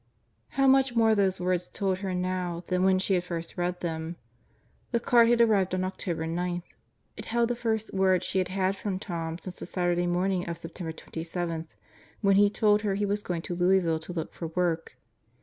.,." How much more those words told her now than when she had first read them. The card had arrived October 9. It held the first word she had had from Tom since the Saturday morning of September 27, when he told her he was going to Louisville to look for work.